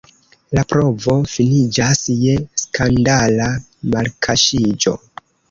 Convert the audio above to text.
La provo finiĝas je skandala malkaŝiĝo.